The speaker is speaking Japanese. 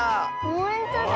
ほんとだ。